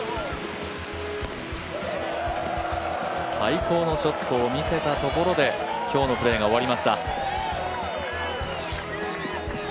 最高のショットを見せたところで今日のプレーが終わりました。